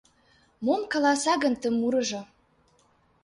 Мом каласа гын ты мурыжо?